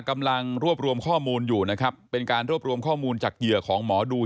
กำลังรวบรวมข้อมูลอยู่นะครับเป็นการรวบรวมข้อมูลจากเหยื่อของหมอดู